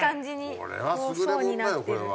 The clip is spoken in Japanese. これは優れもんだよこれは。